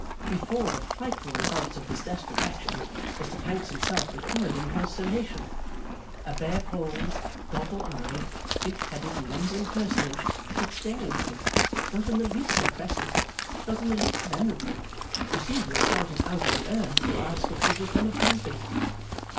Before the frightful results of this desperate action, Mr Pancks himself recoiled in consternation. A bare polled, goggle eyed, big headed lumbering personage stood staring at him, not in the least impressive, not in the least venerable, who seemed to have started out of the earth to ask what was become of Casby.